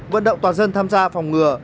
vận động tòa dân tham gia phòng ngừa